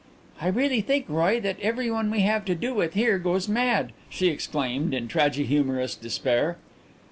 "I really think, Roy, that everyone we have to do with here goes mad," she exclaimed, in tragi humorous despair.